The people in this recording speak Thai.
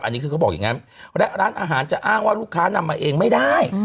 อันนี้คือเขาบอกอย่างนั้นและร้านอาหารจะอ้างว่าลูกค้านำมาเองไม่ได้